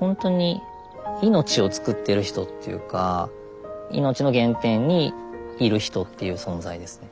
ほんとに命を作ってる人っていうか命の原点にいる人っていう存在ですね。